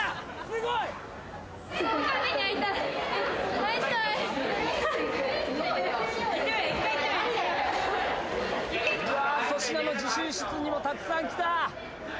すごい！うわ粗品の自習室にもたくさん来た。